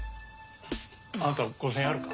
あんた５，０００円あるか？